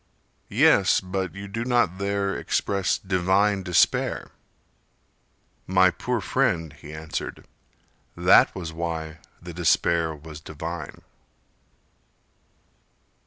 "Yes, but you do not there express divine despair." "My poor friend," he answered, "that was why the despair Was divine."